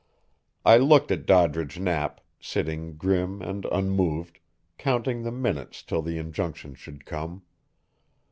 I looked at Doddridge Knapp, sitting grim and unmoved, counting the minutes till the injunction should come.